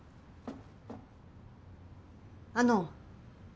あの。